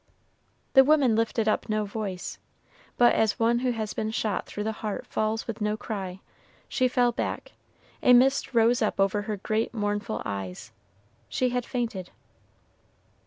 The woman lifted up no voice, but, as one who has been shot through the heart falls with no cry, she fell back, a mist rose up over her great mournful eyes, she had fainted.